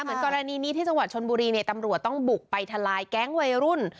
เหมือนกรณีนี้ที่จังหวัดชนบุรีเนี่ยตำรวจต้องบุกไปทลายแก๊งวัยรุ่น